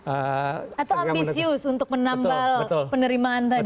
atau ambisius untuk menambal penerimaan tadi